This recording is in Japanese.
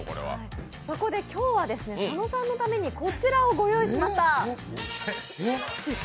そこで今日は佐野さんのためにこちらをご用意しました。